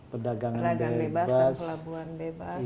pedagangan bebas dan pelabuhan bebas